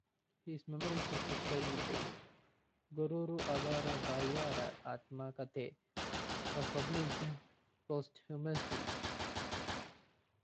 His memoirs of his childhood days, "Goruru Avara Balyada Atma Kathe" was published posthumously.